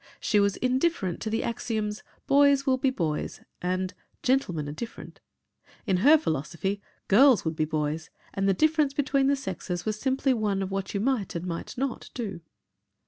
She was indifferent to the axioms, "boys will be boys" and "gentlemen are different." In her philosophy, "girls would be boys" and the difference between the sexes was simply one of what you might and might not do.